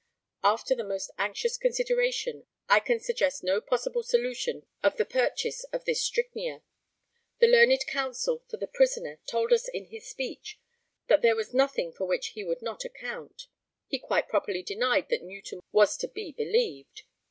After the most anxious consideration, I can suggest no possible solution of the purchase of this strychnia. The learned counsel for the prisoner told us in his speech that there was nothing for which he would not account. He quite properly denied that Newton was to be believed.